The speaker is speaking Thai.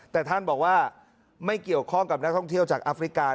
แต่ท่านบอกว่าไม่เกี่ยวข้องกับนักท่องเที่ยวจากแอฟริกา